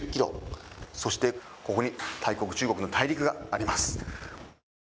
そしてここに大国・中国の大陸があります。